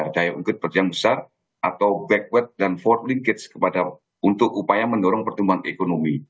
daya ungkit yang besar atau backweat dan fort linkage untuk upaya mendorong pertumbuhan ekonomi